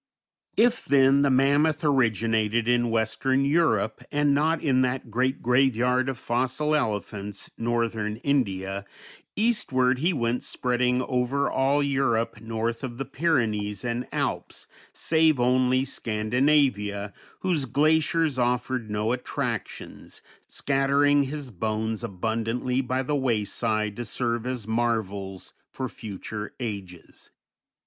If, then, the mammoth originated in western Europe, and not in that great graveyard of fossil elephants, northern India, eastward he went spreading over all Europe north of the Pyrenees and Alps, save only Scandinavia, whose glaciers offered no attractions, scattering his bones abundantly by the wayside to serve as marvels for future ages.